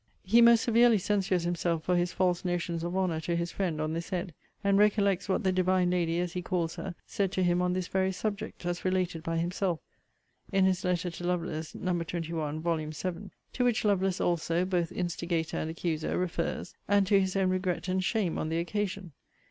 He most severely censures himself for his false notions of honour to his friend, on this head; and recollects what the divine lady, as he calls her, said to him on this very subject, as related by himself in his letter to Lovelace No. XXI. Vol. VII., to which Lovelace also (both instigator and accuser) refers, and to his own regret and shame on the occasion.